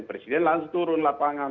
presiden langsung turun lapangan